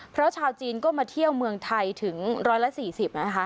เพราะชาวจีนก็มาเที่ยวเมืองไทยถึง๑๔๐นะคะ